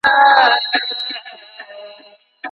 د خپلو تېروتنو منل زړورتیا ده.